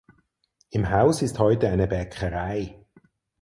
Im Haus ist heute eine Bäckerei.